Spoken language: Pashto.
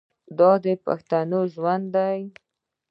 دا د پښتنو ژوند دی.